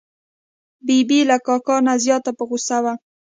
ببۍ له کاکا نه زیاته په غوسه وه.